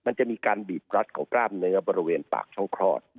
มันจะมีการบีบรัดของกล้ามเนื้อบริเวณปากช่องคลอด